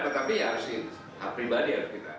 tetapi ya harus di hak pribadi harus kita